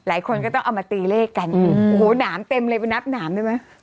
หลายคนก็ต้องเอามาตีเลขกันโอ้โหหนามเต็มเลยไปนับหนามได้ไหม